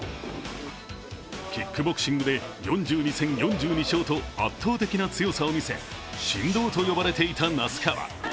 キックボクシングで４２戦４２勝と圧倒的な強さを見せ、神童と呼ばれていた那須川。